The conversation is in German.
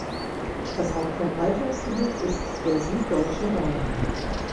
Das Hauptverbreitungsgebiet ist der süddeutsche Raum.